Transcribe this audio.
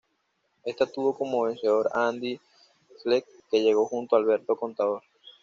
Ésta tuvo como vencedor a Andy Schleck, que llegó junto a Alberto Contador.